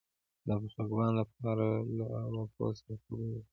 د خپګان د دوام لپاره له ارواپوه سره خبرې وکړئ